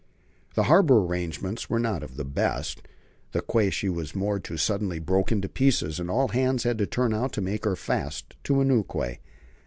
The harbour arrangements were not of the best. The quay she was moored to suddenly broke in pieces, and all hands had to turn out to make her fast to a new quay.